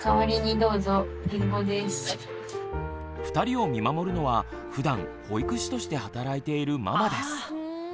２人を見守るのはふだん保育士として働いているママです。